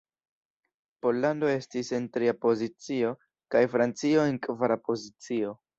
Pollando estis en tria pozicio, kaj Francio en kvara pozicio.